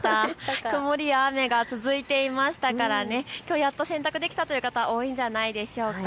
曇りや雨が続いていましたからきょうはやっと洗濯できたという方、多かったんじゃないでしょうか。